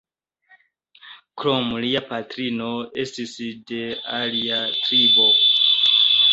Krome lia patrino estis de alia tribo.